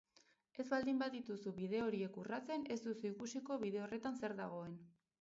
Ez baldin badituzu bide horiek urratzen ez duzu ikusiko bide horretan zer dagoen.